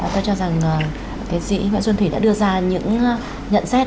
tôi cho rằng tiến sĩ nguyễn xuân thủy đã đưa ra những nhận xét